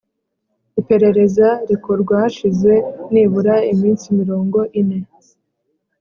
Iperereza rikorwa hashize nibura iminsi mirongo ine